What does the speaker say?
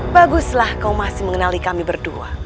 baguslah kau masih mengenali kami berdua